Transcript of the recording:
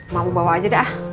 mau bawa aja dah